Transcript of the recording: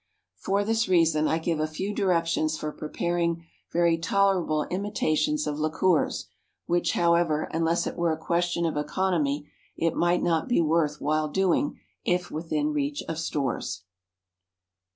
For this reason I give a few directions for preparing very tolerable imitations of liqueurs, which, however, unless it were a question of economy, it might not be worth while doing if within reach of stores.